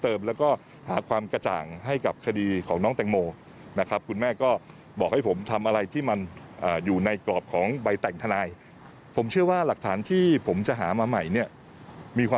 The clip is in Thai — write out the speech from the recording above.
มีความเชื่อมั่นว่าผมจะหาหลักฐานชิ้นนี้มา